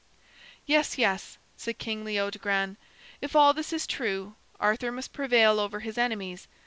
"Yes, yes," said King Leodogran, "if all this is true, Arthur must prevail over his enemies.